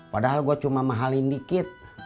padahal gue cuma mahalin dikit